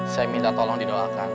saya minta tolong didoakan